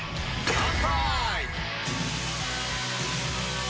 乾杯！